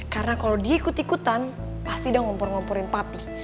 karena kalau dia ikut ikutan pasti udah ngumpur ngumpurin papi